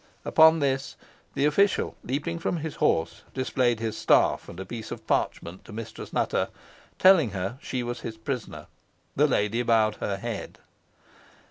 Upon this, the official, leaping from his horse, displayed his staff and a piece of parchment to Mistress Nutter, telling her she was his prisoner. The lady bowed her head.